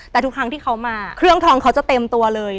แต่ทุกครั้งที่เขามาเครื่องทองเขาจะเต็มตัวเลย